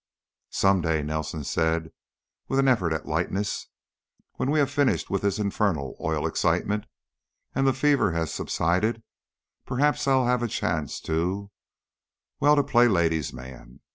"Some day," Nelson said, with an effort at lightness, "when we have finished with this infernal oil excitement and the fever has subsided, perhaps I'll have a chance to well, to play ladies' man.